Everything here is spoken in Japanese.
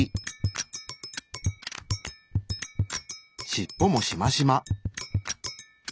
しっぽもしましま。